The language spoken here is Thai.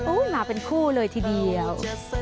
อู้วม้าเป็นคู่เลยทีเดียว